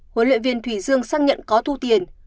huấn luyện viên thủy dương xác nhận có thu tiền